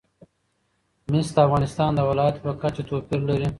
مس د افغانستان د ولایاتو په کچه توپیر لري.